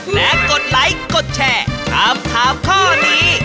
และกดไลค์กดแชร์ถามถามข้อนี้